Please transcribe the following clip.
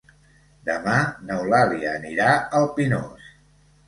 Demà n'Eulàlia anirà al Pinós.